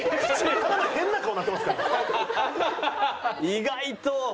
意外と。